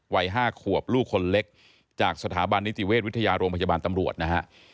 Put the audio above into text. วัย๕ขวบลูกคนเล็กจากสถาบันนิติเวชวิทยาโรงพยาบาลตำรวจนะฮะ